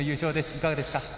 いかがですか？